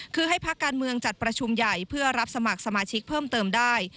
คือให้พักการเมืองจัดประชุมใหญ่เพื่อรับสมัครสมาชิกเพิ่มเติมได้